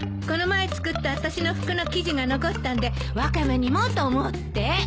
この前作ったあたしの服の生地が残ったんでワカメにもと思って。